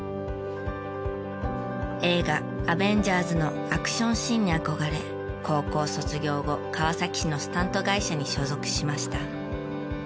映画『アベンジャーズ』のアクションシーンに憧れ高校卒業後川崎市のスタント会社に所属しました。